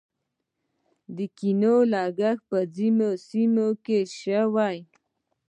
د کیوي کښت په ځینو سیمو کې شوی.